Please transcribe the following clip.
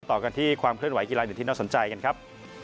ต่อกันที่ความเคลื่อนไหกีฬาหนึ่งที่น่าสนใจกันครับ